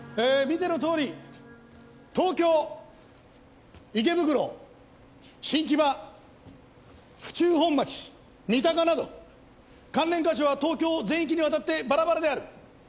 見てのとおり東京池袋新木場府中本町三鷹など関連箇所は東京全域に渡ってバラバラである。